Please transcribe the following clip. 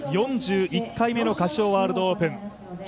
４１回目のカシオワールドオープン。